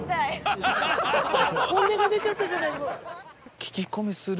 本音が出ちゃったじゃないもう。